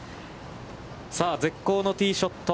さあ、絶好のティーショット。